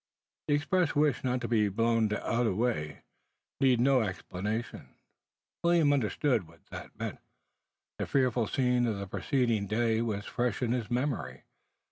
The expressed wish not to be blown "t'other way" needed no explanation. William understood what that meant. The fearful scene of the preceding day was fresh in his memory.